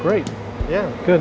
bisa kita berjalan